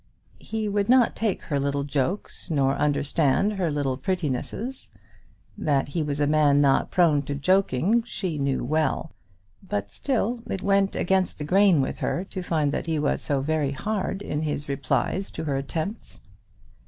He would not take her little jokes, nor understand her little prettinesses. That he was a man not prone to joking she knew well, but still it went against the grain with her to find that he was so very hard in his replies to her attempts.